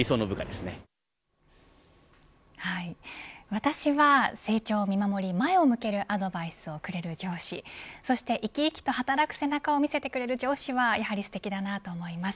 私は成長を見守り前を向けるアドバイスをくれる上司そして、生き生きと働く背中を見せてくれる上司はやはりすてきだなと思います。